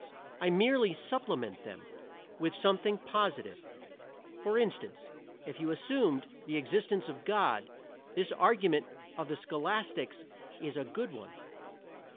I merely supplement them with something positive. For instance, if you assumed the existence of God this argument of the scholastics is a good one.